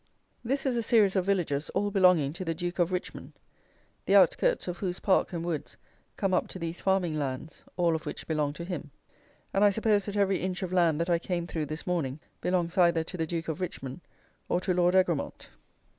This is a series of villages all belonging to the Duke of Richmond, the outskirts of whose park and woods come up to these farming lands, all of which belong to him; and I suppose that every inch of land that I came through this morning belongs either to the Duke of Richmond or to Lord Egremont.